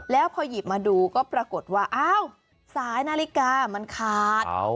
แล้วพอหยิบมาดูก็ปรากฏว่าอ้าวสายนาฬิกามันขาด